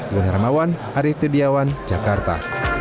gun haramawan arief tidiawan jakarta